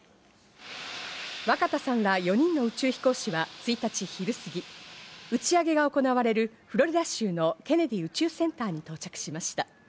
若田さんら４人の宇宙飛行士は１日昼過ぎ、打ち上げが行われる、フロリダ州のケネディ宇宙センターに到着しました。